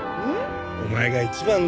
お前が一番だよ。